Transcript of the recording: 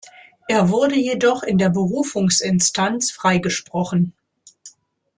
Er wurde jedoch in der Berufungsinstanz freigesprochen.